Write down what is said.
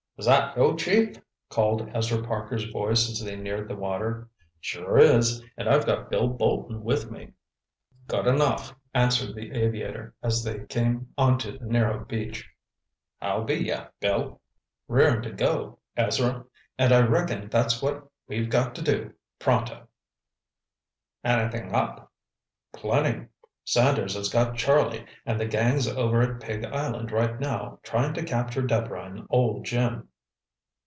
"Is that you, chief?" called Ezra Parker's voice as they neared the water. "Sure is. And I've got Bill Bolton with me." "Good enough," answered the aviator, as they came onto the narrow beach. "How be yer, Bill?" "Rearin' to go, Ezra—and I reckon that's what we've got to do, pronto!" "Anything up?" "Plenty. Sanders has got Charlie, and the gang's over at Pig Island right now, trying to capture Deborah and old Jim."